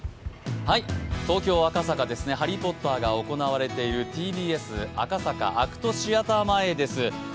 東京・赤坂です、「ハリー・ポッター」が行われているＴＢＳ赤坂ＡＣＴシアター前です。